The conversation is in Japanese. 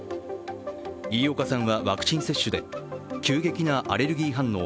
飯岡さんはワクチン接種で急激なアレルギー反応